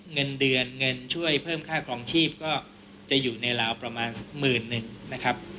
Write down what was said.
เงินเดือนเงินช่วยเพิ่มค่าครองชีพก็จะอยู่ในราวประมาณหมื่นหนึ่งนะครับ